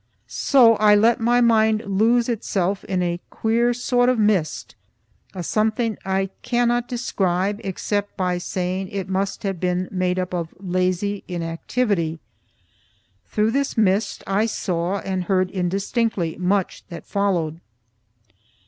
So I let my mind lose itself in a queer sort of mist a something I cannot describe except by saying it must have been made up of lazy inactivity. Through this mist I saw and heard indistinctly much that followed.